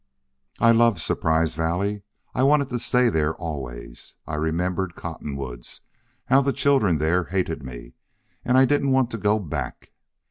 "I loved Surprise Valley. I wanted to stay there always. I remembered Cottonwoods, how the children there hated me, and I didn't want to go back.